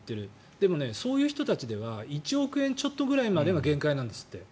でも、そういう人たちでは１億円ちょっとぐらいまでが限界なんですって。